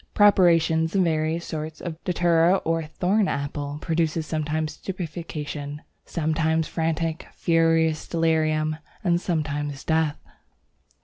Preparations of various sorts of Datura or Thorn apple produce sometimes stupefaction, sometimes frantic, furious delirium, and sometimes death.